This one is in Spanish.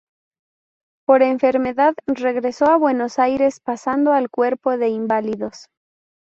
Por enfermedad regresó a Buenos Aires pasando al Cuerpo de Inválidos.